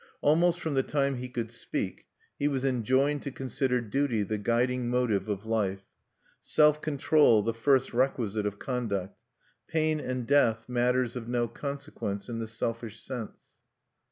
Almost from the time he could speak he was enjoined to consider duty the guiding motive of life, self control the first requisite of conduct, pain and death matters of no consequence in the selfish sense.